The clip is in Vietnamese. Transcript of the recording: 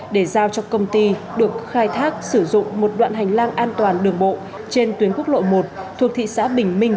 để giao cho công ty được khai thác sử dụng một đoạn hành lang an toàn đường bộ trên tuyến quốc lộ một thuộc thị xã bình minh